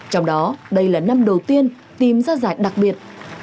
trong đó đây là năm đầu tiên tìm ra giải đặc biệt